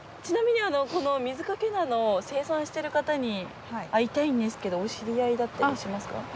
ちなみにこの水かけ菜の生産してる方に会いたいんですけどお知り合いだったりしますか？